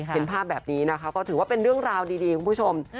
เห็นภาพแบบนี้นะคะก็ถือว่าเป็นเรื่องราวดีคุณผู้ชม